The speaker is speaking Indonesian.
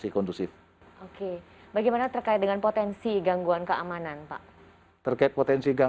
ikut kemudian perkembangan pada posisi ehem